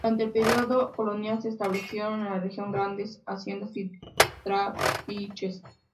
Durante el período colonial, se establecieron en la región grandes haciendas y trapiches.